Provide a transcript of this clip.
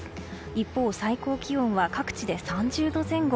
一方、最高気温は各地で３０度前後。